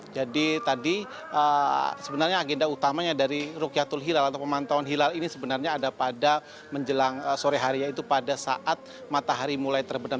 jadi tadi sebenarnya agenda utamanya dari rukiatul hilal atau pemantauan hilal ini sebenarnya ada pada menjelang sore harinya itu pada saat matahari mulai terbenam